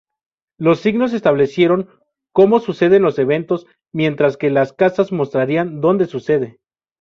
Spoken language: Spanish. Los signos establecerían "como" suceden los eventos, mientras que las casas mostrarían "donde" sucede.